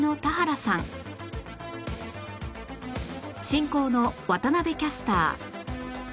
進行の渡辺キャスター